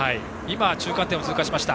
中間点を通過しました。